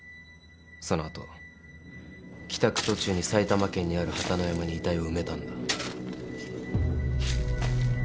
その後帰宅途中に埼玉県にある榛野山に遺体を埋めたんだ。